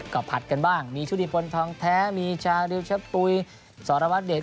ก็ผัดกันบ้างมีชุติพลทองแท้มีชาริวชะปุ๋ยสรวัตเดช